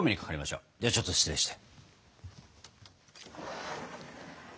ではちょっと失礼して。